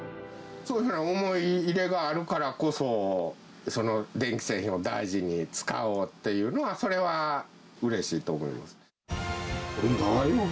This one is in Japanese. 思い入れがあるからこそ、その電気製品を大事に使おうっていうのは、それはうれしいと思います。